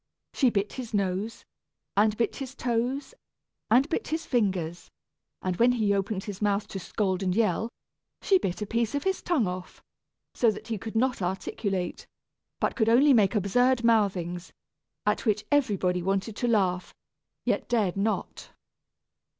She bit his nose, and bit his toes, and bit his fingers; and when he opened his mouth to scold and yell, she bit a piece of his tongue off, so that he could not articulate, but could only make absurd mouthings, at which everybody wanted to laugh, yet dared not.